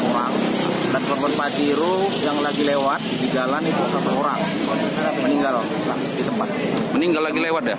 meninggal lagi lewat ya